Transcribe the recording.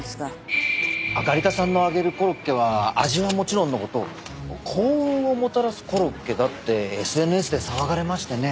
揚田さんの揚げるコロッケは味はもちろんの事幸運をもたらすコロッケだってＳＮＳで騒がれましてね。